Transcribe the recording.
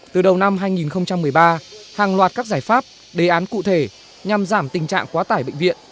từ đầu năm hai nghìn một mươi ba hàng loạt các giải pháp đề án cụ thể nhằm giảm tình trạng quá tải bệnh viện